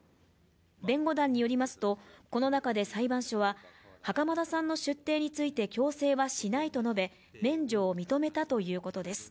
弁護団によりますと、この中で裁判所は袴田さんの出廷について強制はしないと述べ免除を認めたということです。